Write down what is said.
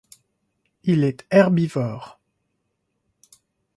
Il est herbivore.